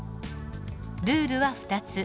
ルールは２つ。